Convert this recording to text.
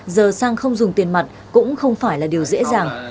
giờ sang không dùng tiền mặt cũng không phải là điều dễ dàng